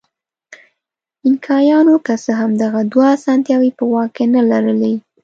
اینکایانو که څه هم دغه دوه اسانتیاوې په واک کې نه لرلې.